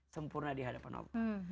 sempurna dihadapan allah